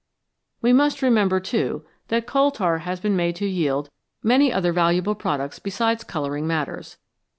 We must remember, too, that coal tar has been made to yield many other valuable products 287 VALUABLE SUBSTANCES besides colouring matters.